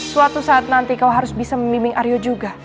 suatu saat nanti kau harus bisa membimbing aryo juga